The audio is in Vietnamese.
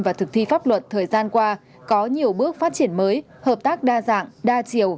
và thực thi pháp luật thời gian qua có nhiều bước phát triển mới hợp tác đa dạng đa chiều